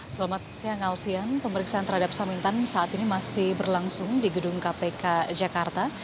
selamat siang alfian pemeriksaan terhadap samintan saat ini masih berlangsung di gedung kpk jakarta